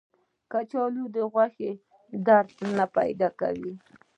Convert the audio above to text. کچالو د غاښونو درد نه پیدا کوي